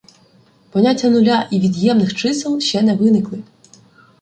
Поняття нуля і від'ємних чисел ще не виникли.